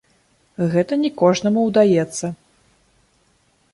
Гэта не кожнаму ўдаецца.